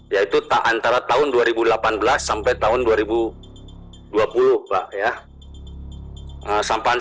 yaitu antara tahun dua ribu delapan belas sampai tahun dua ribu dua puluh pak ya